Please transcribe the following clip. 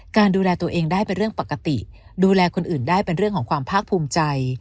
การดูแลตัวเองได้เป็นเรื่องปกติดูแลคนอื่นได้เป็นเรื่องของความภาคภูมิใจ